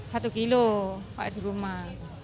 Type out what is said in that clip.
satu kilo kalau di rumah